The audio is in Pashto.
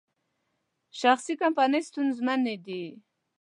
شخصي کمپنۍ ستونزمنې دي.